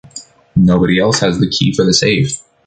Nobody else has the key for the safe.